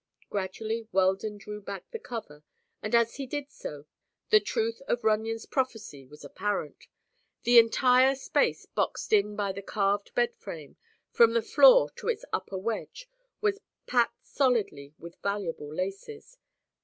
Gradually Weldon drew back the cover and as he did so the truth of Runyon's prophecy was apparent. The entire space boxed in by the carved bed frame, from the floor to its upper edge, was packed solidly with valuable laces.